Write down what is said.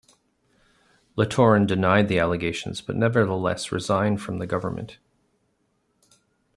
Littorin denied the allegations, but nevertheless resigned from the government.